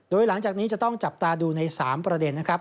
โดยหลังจากนี้จะต้องจับตาดูใน๓ประเด็นนะครับ